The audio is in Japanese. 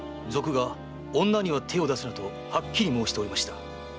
賊が「女には手を出すな」とはっきり申しておりました。